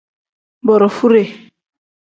Borofude.